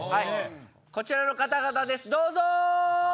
こちらの方々ですどうぞ！